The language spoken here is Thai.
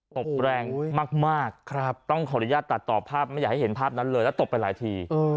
ตบแรงมากต้องขออนุญาตตัดต่อภาพไม่อยากให้เห็นภาพนั้นเลยแล้วตบไปหลายที